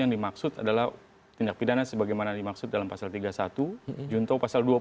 yang dimaksud adalah tindak pidana sebagaimana dimaksud dalam pasal tiga puluh satu junto pasal dua puluh